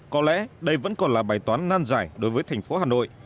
có lẽ đây vẫn còn là bài toán nan giải đối với thành phố hà nội